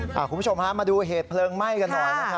คุณผู้ชมมาดูเหตุเผลิงไม่กันหน่อย